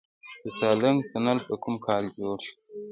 د سالنګ تونل په کوم کال جوړ شو؟